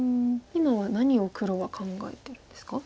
今は何を黒は考えてるんですか？